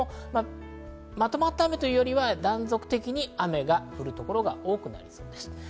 まとまった雨というよりかは断続的に雨が降る所が多くなりそうです。